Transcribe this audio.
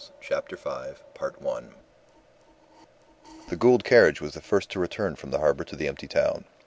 CHAPTER FIVE The Gould carriage was the first to return from the harbour to the empty town.